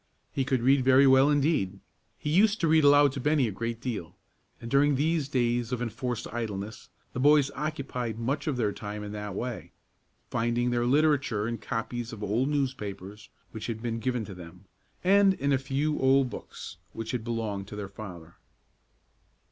He could read very well indeed. He used to read aloud to Bennie a great deal, and during these days of enforced idleness the boys occupied much of their time in that way; finding their literature in copies of old newspapers which had been given to them, and in a few old books which had belonged to their father.